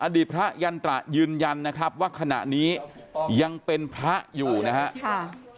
ดีพระยันตระยืนยันนะครับว่าขณะนี้ยังเป็นพระอยู่นะครับ